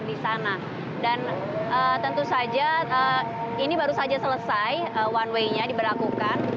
dan tentu saja ini baru saja selesai one way nya diberlakukan